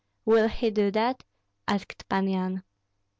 "Will he do that?" asked Pan Yan.